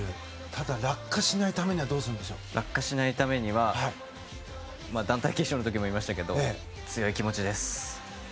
ただ、落下しないためには落下しないためには団体決勝の時も言いましたが強い気持ちです。